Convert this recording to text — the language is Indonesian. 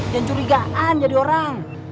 jangan curigaan jadi orang